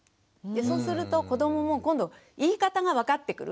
そうすると子どもも今度言い方が分かってくる。